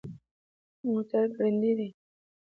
موټر ګړندی دی